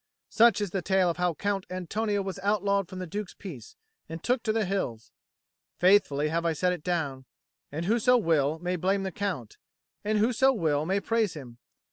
Such is the tale of how Count Antonio was outlawed from the Duke's peace and took to the hills. Faithfully have I set it down, and whoso will may blame the Count, and whoso will may praise him.